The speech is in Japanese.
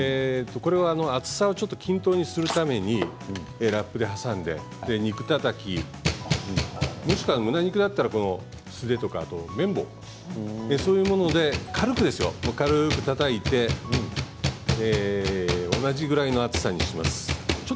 厚さを均等にするためにラップで挟んで肉たたきもしくは、むね肉だったら素手とか麺棒、そういうもので軽くですよ軽くたたいて同じぐらいの厚さにします。